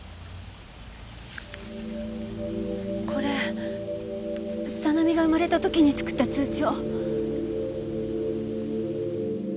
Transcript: これさなみが生まれた時に作った通帳。